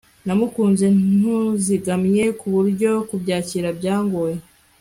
namukunze ntuzigamye kuburyo kubyakira bya ngoye